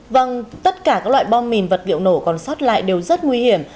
vâng tất cả các loại bom mìn vật liệu nổ còn sót lại đều rất nguy hiểm